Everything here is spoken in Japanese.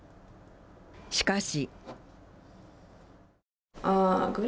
しかし。